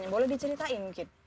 boleh diceritain mungkin